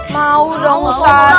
mau dong mausad